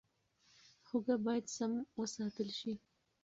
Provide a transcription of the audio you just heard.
هوږه باید سم وساتل شي.